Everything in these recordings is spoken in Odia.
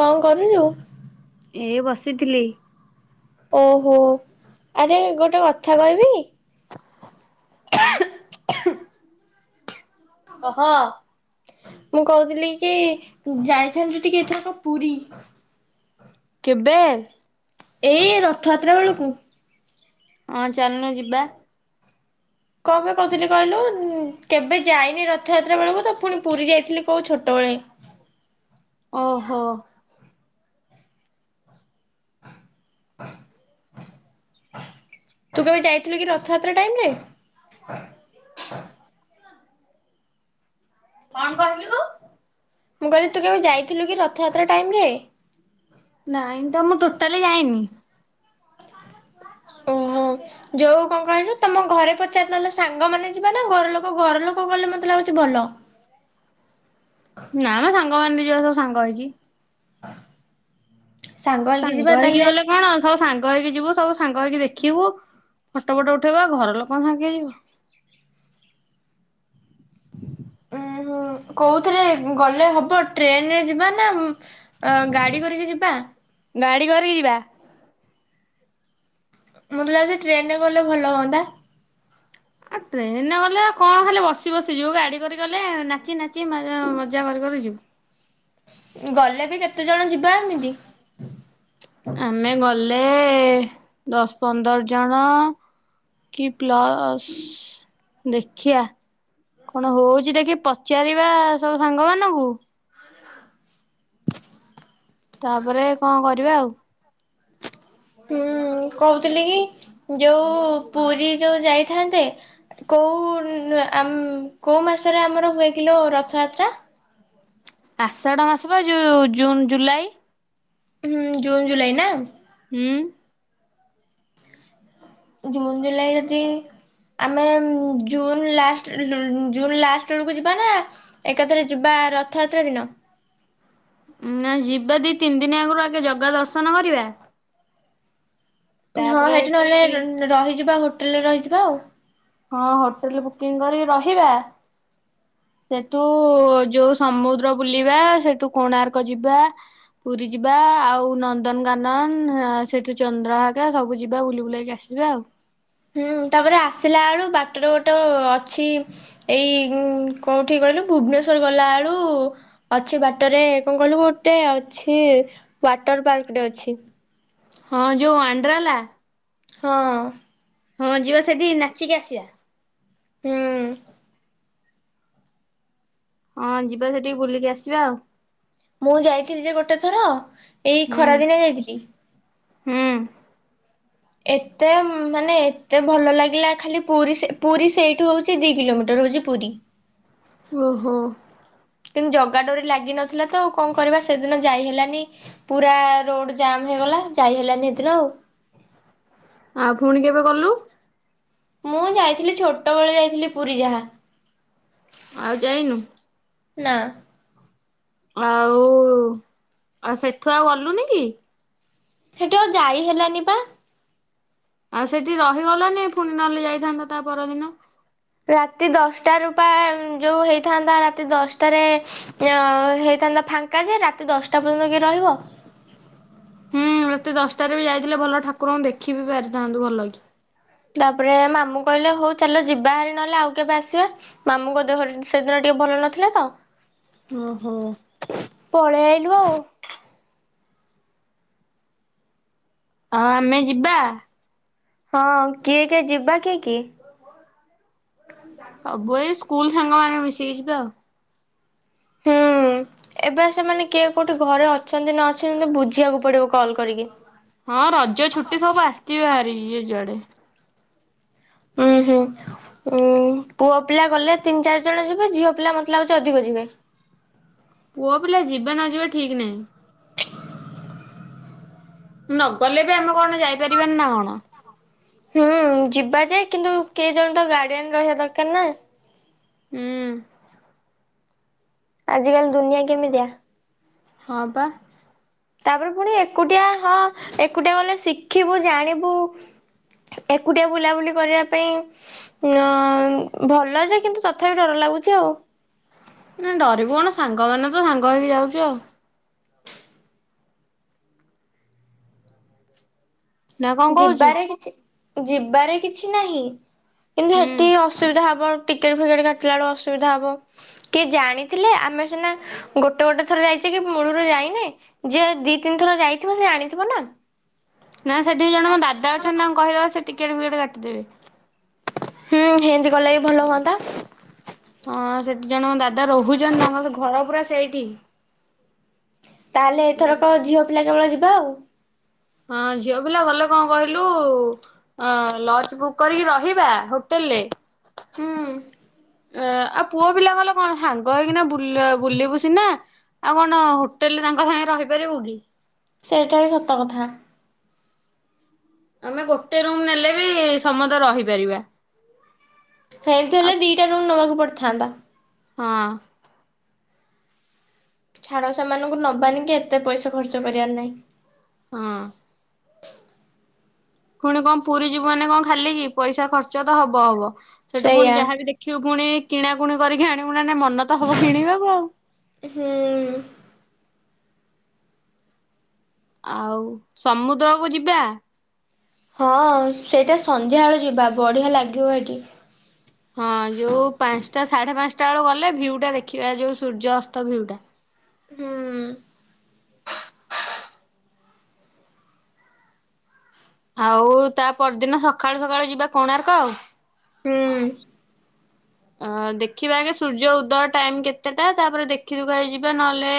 କଁ କରୁଚୁ? ଏଇ ବସିଥିଲି। ଓହୋ ଆରେ ଗୋଟେ କଥା କହିବି। [unintelligible] କହ [inaudible] ମୁଁ କହୁଥିଲି କି ଯାଇଥାନ୍ତି ଟିକେ ଏଥରକ ପୁରୀ। କେବେ? ଏଇ ରଥଯାତ୍ରା ବେଳକୁ। ହଁ ଚାଲୁନୁ ଯିବା। କଣ୍ ପେ କହୁଥିଲି କହିଲୁ କେବେ ଯାଇନି ରଥଯାତ୍ରା ବେଳକୁ ତ ପୁଣି ପୁରୀ ଯାଇଥିଲି କଉ ଛୋଟବେଳେ। ଓହୋ। ତୁ କେବେ ଯାଇଥିଲୁ କି ରଥଯାତ୍ରା ଟାଇମ୍ ରେ? କଣ୍ କହିଲୁ? ମୁଁ କହିଲି ତୁ କେବେ ଯାଇଥିଲୁ କି ରଥଯାତ୍ରା ଟାଇମ୍ ରେ? ନାଇଁ ତ ମୁଁ ଟୋଟାଲି ଯାଇନି। ହଉ ଯଉ କଣ କହିଲୁ ତମ ଘରେ ପଚାର୍ ନହେଲେ ସାଙ୍ଗମାନେ ଯିବା ନା ଘର ଲୋକ ଘର ଲୋକ ଗଲେ ମତେ ଲାଗୁଚି ଭଲ। ନା ମ ସାଙ୍ଗମାନେ ଯିବା ସବୁ ସାଙ୍ଗ ହେଇକି। ସାଙ୍ଗ ହେଇକି ଗଲେ କଣ ସବୁ ସାଙ୍ଗ ହେଇକି ଯିବୁ ସବୁ ସାଙ୍ଗ ହେଇକି ଦେଖିବୁ ଫଟ ଫଟ ଉଠେଇବୁ ଆଉ ଘର ଲୋକଙ୍କ ସାଙ୍ଗେ କିଏ‌ ଯିବ। ହୁଁ [unintelligible] କଉଥିରେ ଗଲେ ହବ ଟ୍ରେନ୍ ରେ ଯିବା ନା ଅଁ- ଗାଡ଼ି କରିକି ଯିବା? ଗାଡ଼ି କରିକି ଯିବା। ମୋତେ ଲାଗୁଚି ଟ୍ରେନ୍ ରେ ଗଲେ ଭଲ ହଅନ୍ତା। ଆ ଟ୍ରେନ୍ ରେ ଗଲେ କଣ ଖାଲି ବସି ବସି ଯିବୁ ଗାଡ଼ି କରି ଗଲେ ନାଚି ନାଚି ମ-ମଜା କରିକରି ଯିବୁ। ଗଲେ ବି କେତେଜଣ ଯିବା ଏମିତି? ଆମେ ଗଲେ ଦଶ୍ ପନ୍ଦର୍ ଜଣ କି ପ୍ଲସ୍ ଦେଖିଆ। କଣ ହଉଚି ଦେଖି ପଚାରିବା ସବୁ ସାଙ୍ଗ ମାନଙ୍କୁ ତାପରେ କଣ କରିବା ଆଉ। ହୁଁ କହୁଥିଲି କି ଯଉ ପୁରୀ ଯଉ ଯାଇଥାନ୍ତେ କଉ ଉଁ- ଆମ୍ -କଉ ମାସରେ ଆମର ହୁଏ କିଲ ରଥଯାତ୍ରା? ଆଷାଢ଼ ମାସ ବା ଯଉ ଜୁନ୍ ଜୁଲାଇ। ହଁ ଜୁନ୍ ଜୁଲାଇ ନା। ହୁଁ। ଜୁନ୍ ଜୁଲାଇ ଯଦି ଆମେ ଜୁନ୍ ଲାଷ୍ଟ୍- ଜୁନ୍ ଲାଷ୍ଟ୍ ବେଳକୁ ଯିବା ନା ଏକାଥରେ ଯିବା ରଥଯାତ୍ରା ଦିନ। ନା ଯିବା ଦି ତିନି ଦିନି ଆଗରୁ ଆଗେ ଜଗା ଦର୍ଶନ କରିବା? ହଁ ତାପରେ ହେଠି ସେଠି ନହେଲେ ରହିଯିବା ହୋଟେଲ୍ ରେ ରହିଯିବା ଆଉ। ହଁ ହୋଟେଲ୍ ବୁକିଂ କରିକି ରହିବା। ସେଠୁ ଯଉ ସମୁଦ୍ର ବୁଲିବା ସେଠୁ କୋଣାର୍କ ଯିବା ପୁରୀ ଯିବା ଆଉ ନନ୍ଦନକାନନ୍ ଆ-ସେଠୁ ଚନ୍ଦ୍ରଭାଗା ସବୁ ଯିବା ବୁଲି ବୁଲାକି ଆ ସିବା ଆଉ। ହୁଁ ତାପରେ ଆସିଲା ବେଳୁ ବାଟରେ ଗୋଟେ ଅଛି ଏଇ ଉଁ- କଉଠି କହିଲୁ ଭୁବନେଶ୍ୱର ଗଲାବେଳୁ ଅଛି ବାଟରେ କଣ କହିଲୁ ଗୋଟେ ଅଛି ୱାଟର୍ ପାର୍କ ଟେ ଅଛି। ହଁ ଯଉ ୱାଣ୍ଡ୍ରାଲା। ହଁ। ହଁ ଯିବା ସେଠି ନାଚିକି ଆସିବା। ହୁଁ। ହଁ ଯିବା ସେଠିକି ବୁଲିକି ଆସିବା ଆଉ। ମୁଁ ଯାଇଥିଲି ଯେ ଗୋଟେ ଥର ଏଇ ହୁଁ ଖରାଦିନଆ ଯାଇଥିଲି। ହୁଁ। ଏତେ ମାନେ ଏତେ ଭଲ ଲାଗିଲା ଖାଲି ପୁରୀ ସେ ପୁରୀ ସେଇଠୁ ହୋଉଚି ଦି କିଲୋମିଟର ହୋଉଚି ପୁରୀ। ଓହୋ। କିନ୍ତୁ ଜଗା ଡୋରି ଲାଗିନଥିଲା ତ ଆଉ କଣ କରିବା ସେଦିନ ଯାଇ ହେଲାନି। ପୁରା ରୋଡ଼ ଜାମ୍ ହେଇଗଲା ଯାଇ ହେଲାନି ହେଦିନ ଆଉ। ଆ ଫୁଣି କେବେ ଗଲୁ? ମୁଁ ଯାଇଥିଲି ଛୋଟବେଳେ ଯାଇଥିଲି ପୁରୀ ଯାହା। ଆଉ ଯାଇନୁ? ନାଁ। ଆଉ ଆଉ ସେଠୁ ଆଉ ଗଲୁନି କି? ସେଠୁ ଆଉ ଯାଇ ହେଲାନି ପା। ଆଉ ସେଠି ରହିଗଲନି ଫୁଣି ନହେଲେ ଯାଇଥାନ୍ତ ତା ପରଦିନ। ରାତି ଦଶଟାରୁ ପା ଯୋଉ ହେଇଥାନ୍ତା ରାତି ଦଶଟାରେ। ଯୋଉ ହେଇଥାନ୍ତା ଫାଙ୍କା ଯେ ରାତି ଦଶଟା ପର୍ଯ୍ୟନ୍ତ କିଏ ରହିବ। ହୁଁ ରାତି ଦଶଟାରେ ବି ଯାଇଥିଲେ ଭଲ ଠାକୁରଙ୍କୁ ଦେଖି ବି ପାରିଥାନ୍ତୁ ଭଲ କି। ତାପରେ ମାମୁଁ କହିଲେ ହୋଉ ଚାଲ ଯିବା ହାରି ନହେଲେ ଆଉ କେବେ ଆସିବା। ମାମୁଁ ଙ୍କ ଦେହ ସେଦିନ ଟିକେ ଭଲ ନଥିଲା ତ। ଓହୋ। ପଳେଇ ଆଇଲୁ ଆଉ। ହଁ ଆମେ ଯିବା। ହଁ କିଏ କିଏ ଯିବା କିଏକି ସବୁ ଏଇ ସ୍କୁଲ୍ ସାଙ୍ଗ ମାନେ ମିଶିକି ଯିବେ ଆଉ। ହୁଁ ଏବେ ସେମାନେ କିଏ କୋଉଠି ଘରେ ଅଛନ୍ତି ନ ଅଛନ୍ତି ବୁଝିବାକୁ ପଡ଼ିବ କଲ୍ କରିକି। ହଁ ରଜ ଛୁଟି ସବୁ ଆସିଥିବେ ହାରି ଯିଏ ଯୁଆଡ଼େ। ଉୁଁ ହୁଁ ପୁଅ ପିଲା ଗଲେ ତିନି ଚାରି ଜଣ ଯିବେ ଝିଅ ପିଲା ମତେ ଲାଗୁଛି ଅଧିକ ଯିବେ। ପୁଅ ପିଲା ଯିବେ ନ ଯିବେ ଠିକ୍ ନାହିଁ। ନଗଲେ ବି ଆମେ କଣ ଯାଇପାରିବାନି ନା କଣ। ହୁଁ ଯିବା ଯେ କିନ୍ତୁ କିଏ ଜଣ ତ ଗାର୍ଡିଆନ ରହିବା ଦରକାର ନା। ହୁଁ। ଆଜିକାଲି ଦୁନିଆ କେମିତିଆ। ହଁ ପା। ତାପରେ ଫୁଣି ଏକୁଟିଆ ହଁ ଏକୁଟିଆ ଗଲେ ଶିଖିବୁ ଜାଣିବୁ। ଏକୁଟିଆ ବୁଲାବୁଲି କରିବା ପାଇଁ ନାଁଇ ଭଲ ଯେ କିନ୍ତୁ ତଥାପି ଡର ଲାଗୁଛି ଆଉ। ନାଁ ଡରିବୁ କଣ ସାଙ୍ଗମାନେ ତ ସାଙ୍ଗ ହେଇକି ଯାଉଚେ ଆଉ। ନା କଣ କହୁଛୁ? ଯିବାରେ କିଛି ଯିବାରେ କିଛି ନାହିଁ କିନ୍ତୁ ହୁଁ ହେଟି ଅ ଅସୁବିଧା ହବ ଟିକେଟ ଫିକେଟ କାଟିଲା ବେଳେ ଅସୁବିଧା ହବ କିଏ ଜାଣିଥିଲେ ଆମେ ସିନା ଗୋଟେ ଗୋଟେ ଥର ଯାଇଛେ କି ମୂଳରୁ ଯାଇନେ ଯିଏ ଦି ତିନି ଥର ଯାଇଥିବ ସେ ଜାଣିଥିବ ନା। ନାଁ ସେଠି ଜଣେ ମୋ ଦାଦା ଅଛନ୍ତି ତାଙ୍କୁ କହିଦବା ସେ ଟିକେଟ ଫିକେଟ କାଟିଦେବେ। ହେଁ ହେମିତି କଲେ ବି ଭଲ ହୁଅନ୍ତା। ହଁ ସେଠି ଜଣେ ମୋ ଦାଦା ରହୁଛନ୍ତି ତାଙ୍କର ଘର ପୁରା ସେଇଠି। ତାହେଲେ ଏଥରକ ଝିଅ ପିଲା କେବଳ ଯିବା ଆଉ। ହଁ ଝିଅ ପିଲା ଗଲେ କଣ କହିଲୁ ଅ ଲଜ ବୁକ୍ କରିକି ରହିବା ହୋଟେଲରେ ହୁଁ। ଏଁ ଆଉ ପୁଅ ପିଲା ଗଲେ କଣ ସାଙ୍ଗ ହେଇକିନା ବୁଲା ବୁଲିବୁ ସିନା ଆଉ କଣ ହୋଟେଲ୍ ରେ ତାଙ୍କ ସାଙ୍ଗେ ରହିପାରିବୁ କି। ସେଇଟା ବି ସତ କଥା। ଆମେ ଗୋଟେ ରୁମ୍ ନେଲେ ବି ସମସ୍ତେ ରହିପାରିବା। ସେମିତି ହେଲେ ଦିଟା ରୁମ୍ ନବାକୁ ପଡିଥାନ୍ତା। ହଁ। ଛାଡ଼ ସେମାନଙ୍କୁ ନବାନିକି ଏତେ ପଇସା ଖର୍ଚ୍ଚ କରିବାର ନାଇଁ। ହଁ। ଫୁଣି କଣ ପୁରୀ ଯିବୁ ମାନେ କଣ ଖାଲିକି ପଇସା ଖର୍ଚ୍ଚ ତ ହବ ହବ ସେଠୁ ପୁଣି ସେଇଆ ଯାହାବି ଦେଖ ଦେଖିବୁ ପୁଣି କିଣାକୁଣି କରିକି ଆଣିବୁ ନା ନାଇଁ ମନ ତ ହବ କିଣିବାକୁ ଆଉ। ହୁଁ। ଆଉ ସମୁଦ୍ରକୁ ଯିବା? ହଁ ସେଇଟା ସନ୍ଧ୍ୟାବେଳେ ଯିବା ବଢ଼ିଆ ଲାଗିବ ସେଠି। ହଁ ଯୋଉ ପାଞ୍ଚଟା ସାଢେ ପାଞ୍ଚଟା ବେଳକୁ ଗଲେ ଭିୟୁଟା ଦେଖିବା ଯୋଉ ସୂର୍ଯ୍ୟ ଅସ୍ତ ଭିୁୟୁଟା। ହୁଁ। ଆଉ ତା ପରଦିନ ସକାଳୁ ସକାଳୁ ଯିବା କୋଣାର୍କ ଆଉ। ହୁଁ ଅ ଦେଖିବା ଆଗେ ସୂର୍ଯ୍ୟ ଉଦୟ ଟାଇମ୍ କେତେଟା ତାପରେ ଦେଖିଦୁଖାକି ଯିବା ନହେଲେ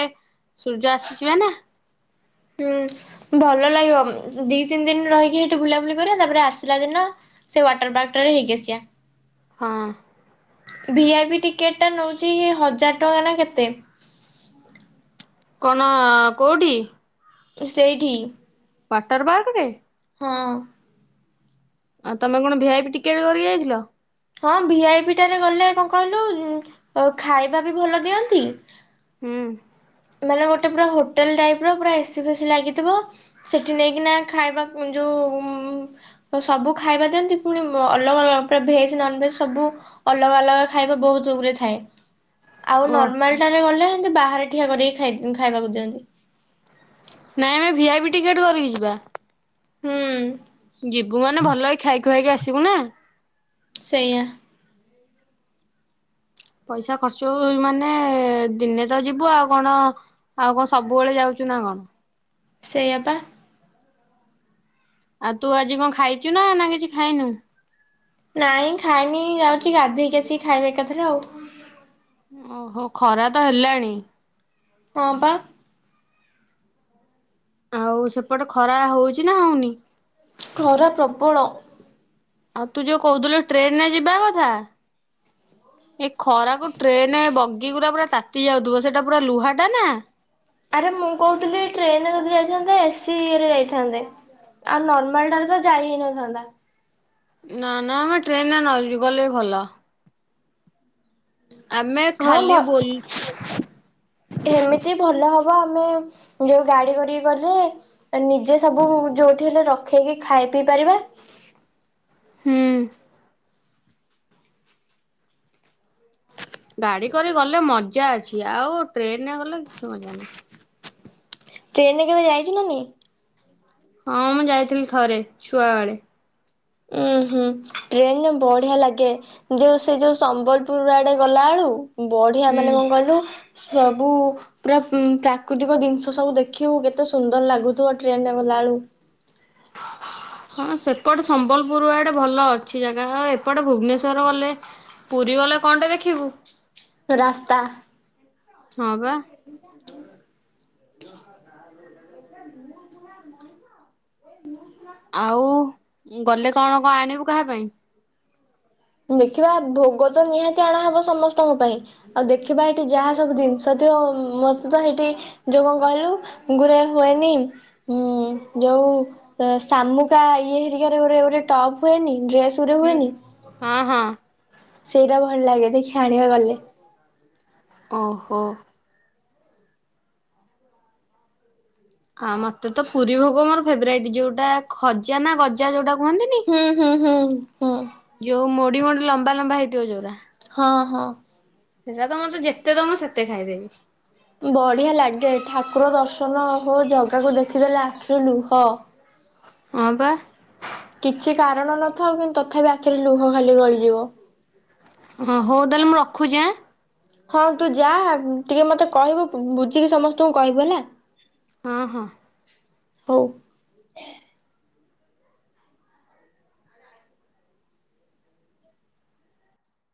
ସୂର୍ଯ୍ୟ ଆସୁ ଯିବା ନା। ହୁଁ ଭଲ ଲାଗିବ ଉଁ ଦି ତିନି ଦିନ ରହିକି ସେଠି ବୁଲାବୁଲି କରିବା ତାପରେ ଆସିଲା ଦିନ ସେ ୱାଟର ପାର୍କଟାରେ ହେଇକି ଆସିବା। ହଁ। ଭିଆଇପି ଟିକେଟ୍ ଟା ନଉଛି ହଜାର ଟଙ୍କା ନା କେତେ? କଣ କୋଉଠି? ସେଇଠି। ୱାଟର ପାର୍କରେ। ହଁ। ଆଉ ତମେ କଣ ଭିଆଇପି ଟିକେଟ୍ କରିକି ଯାଇଥିଲ? ହଁ ଭିଆଇପିଟାରେ ଗଲେ କଣ କହିଲୁ ଉଁ ଖାଇବା ବି ଭଲ ଦିଅନ୍ତି। ହୁଁ। ମାନେ ଗୋଟେ ପୁରା ହୋଟେଲ୍ ଟାଇପର ପୁରା ଏସି ଫେସି ଲାଗିଥିବ ସେଠି ନେଇକିନା ଖାଇବାକୁ ଯୋଉ ଉଁ ସବୁ ଖାଇବା ଦିଅନ୍ତି ପୁଣି ଉଁ ଅଲଗା ଅଲଗା ପୁରା ଭେଜ୍ ନନଭେଜ୍ ସବୁ ଅଲଗା ଅଲଗା ଖାଇବା ବହୁତଗୁରେ ଥାଏ। ଆଉ ଓ ନର୍ମାଲଟାରେ ଗଲେ ଏମିତି ବାହାରେ ଠିଆ କରିକି ଖାଇ ଖାଇବାକୁ ଦିଅନ୍ତି। ନାଇଁ ଆମେ ଭିଆଇପି ଟିକେଟ୍ କରିକି ଯିବା। ହୁଁ। ଯିବୁ ମାନେ ଭଲକି ଖାଇଖୁଆକି ଆସିବୁ ନା। ସେଇଆ। ପଇସା ଖର୍ଚ୍ଚ ହଉ ମାନେ ଦିନେ ତ ଯିବୁ ଆଉ କଣ ଆଉ କଣ ସବୁବେଳେ ଯାଉଛୁ ନା କଣ। ସେଇଆ ପା। ଆଉ ତୁ ଆଜି କଣ ଖାଇଛୁନା। ନା କିଛି ଖାଇନୁ?। ନାଇଁ ଖାଇନି ଯାଉଛି ଗାଧେଇକି ଆସିକି ଖାଇବି ଏକାଥେରେ ଆଉ। ଓହୋ ଖରା ତ ହେଲାଣି। ହଁ ପା। ଆଉ ସେପଟେ ଖରା ହଉଛି ନା ହଉନି?। ଖରା ପ୍ରବଳ। ଆଉ ତୁ ଯୋଉ କହୁଥୁଲୁ ଟ୍ରେନରେ ଯିବା କଥା। ଏଇ ଖରାକୁ ଟ୍ରେନ ବଗିଗୁରା ପୁରା ତାତି ଯାଉଥିବ ସେଇଟା ପୁରା ଲୁହାଟା ନା। ଆରେ ମୁଁ କହୁଥିଲି ଟ୍ରେନରେ ଯଦି ଯାଇଥାନ୍ତେ ଏସିି ଇଏରେ ଯାଇଥାନ୍ତେ। ଆଉ ନର୍ମାଲଟାରେ ତ ଯାଇ ହେଇନଥାନ୍ତା। ନା ନା ଆମେ ଟ୍ରେନରେ ନଗଲେ ବି ଭଲ। ଆମେ କଣ ଖାଲି ବୋଲ ଭଲ। ଏମିତି ଭଲ ହବ ଆମେ ଯୋଉ ଗାଡି କରିକି ଗଲେ। ନିଜେ ସବୁ ଯଉଠି ହେଲେ ରଖେଇକି ଖାଇ ପିଇ ପାରିବା। ହ୍ନୁ। ଗାଡ଼ି କରିକି ଗଲେ ମଜା ଅଛି ଆଉ ଟ୍ରେନରେ ଗଲେ କିଛି ମଜା ନାହିଁ। ଟ୍ରେନ୍ କେବେ ଯାଇଛୁ ନା ନାହିଁ। ହଁ ମୁଁ ଯାଇଥିଲି ଥରେ ଛୁଆବେଳେ। ହୁଁ ଟ୍ରେନରେ ବଢ଼ିଆ ଲାଗେ। ଯୋଉ ସେ ଯୋଉ ସମ୍ବଲପୁର ଆଡେ ଗଲାବେଳୁ ବଢିଆ ହୁଁ। ମାନେ କଣକହିଲୁ। ସବୁ। ପୁରା ପ୍ରାକୃତିକ ଜିନିଷ ସବୁ ଦେଖିବୁ କେତେ ସୁନ୍ଦର ଲାଗୁଥିବ ଟ୍ରେନରେ ଗଲାବେଳୁକୁ। ହଁ ସେପଟେ ସମ୍ବଲପୁର ଆଡେ ଭଲ ଅଛି ଜାଗା ଆଉ ଏପଟେ ଭୁବନେଶ୍ଵର ଗଲେ। ପୁରୀ ଗଲେ କଣଟା ଦେଖିବୁ। ରାସ୍ତା। ହଁ ପା। ଏ ମୁଁ [unintelligible] ଆଉ ଗଲେ କଣ କଣ ଆଣିବୁ କାହା ପାଇଁ। ଦେଖିବା ଭୋଗତ ନିହାତି ଆଣାହବ ସମସ୍ତଙ୍କ ପାଇଁ। ଆଉ ଦେଖିବା ଏଠି ଯାହା ସବୁ ଜିନିଷ ଥିବ ମତେ ତ ହେଇଠି। ଯୋଉ କଣ କହିଲୁ ଗୁରେ ହୁଏନି। ହୁଁ ଯୋଉ ଶାମୁକା ଇଏ ହେରିକାରେ ଗୋଟେ ଟପ୍ ହୁଏନି ଡ୍ରେସ। ଡ୍ରେସଗୁରେ ହୁଁ ହୁଏନି। ହଁ ହଁ। ସେଇଟା ଭଲ ଲାଗେ ଦେଖିଆ ଆଣିବା ଗଲେ। ଓହୋ। ଆ ମତେ ତ ପୁରୀ ଭୋଗ ମୋର ଫେବରାଇଟ୍ ଯୋଉଟା ଖଜା ନା ଗଜା ଯୋଉଟା କୁହନ୍ତିନି। ହଁ ହଁ ହଁ। ଯୋଉ ମୋଡି ମୋଡି ଲମ୍ବା ଲମ୍ବା ହେଇଥିବ ଜଉରା। ହଁ ହଁ। ସେଇଟା ତ ମତେ ଯେତେ ଦବ ସେତେ ଖାଇଦେବି। ବଢିଆ ଲାଗେ ଠାକୁର ଦର୍ଶନ ହଉ ଜଗାକୁ ଦେଖିଦେଲେ ଆଖିରୁ ଲୁହ। ହଁ ପା। କିଛି କାରଣ ନଥାଉ କିନ୍ତୁ ତଥାପି ଆଖିରେ ଲୁହ ଖାଲି ଗଳିଯିବ। ହଁ ହଉ ତାହେଲେ ମୁଁ ରଖୁଛି ଆଁ। ହଁ ତୁ ଯା ଟିକେ ମତେ କହିବୁ ବୁଝିକି ସମସ୍ତଙ୍କୁ କହିବୁ ହେଲା। ହୁଁ ହୁଁ। ହଉ।